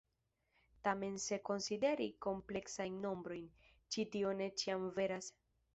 Tamen se konsideri kompleksajn nombrojn, ĉi tio ne ĉiam veras.